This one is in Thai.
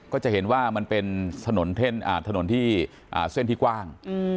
ก็จะเห็นว่ามันเป็นถนนที่เส้นที่กว้าง